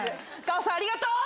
ＧＡＯさんありがとう！